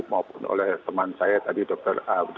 maupun oleh teman saya tadi dokter